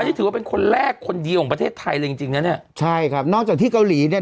นี่ถือว่าเป็นคนแรกคนเดียวของประเทศไทยเลยจริงจริงนะเนี่ยใช่ครับนอกจากที่เกาหลีเนี่ย